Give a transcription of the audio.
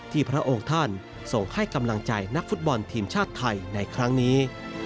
พระองค์ท่านส่งให้กำลังใจนักฟุตบอลทีมชาติไทยในครั้งนี้